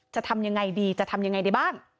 จะทำยังไงดีจะทำยังไงได้บ้าง